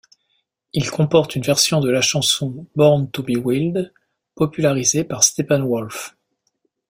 Il comporte une version de la chanson Born to Be Wild popularisée par Steppenwolf.